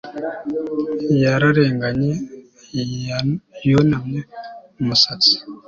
Yararenganye yunamye umusatsi